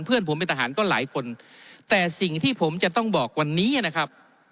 เพื่อนผมเป็นทหารก็หลายคนแต่สิ่งที่ผมจะต้องบอกวันนี้นะครับ